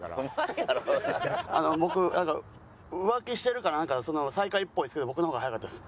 僕浮気してるかなんか最下位っぽいですけど僕の方が速かったです。